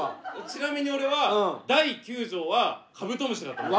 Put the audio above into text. ちなみに俺は第９条は「カブトムシ」だと思う。